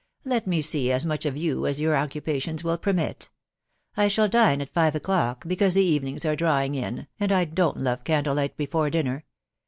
Let me see as much of you as your occupations will pernrt .... I shall dine at five o'clock, because the evenings a* drawing in, and I don't love candle light before dinner.